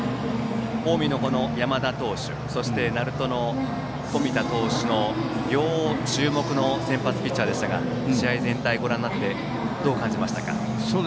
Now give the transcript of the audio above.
近江の山田投手鳴門の冨田投手の両注目の先発ピッチャーでしたが試合全体をご覧になってどう感じましたか？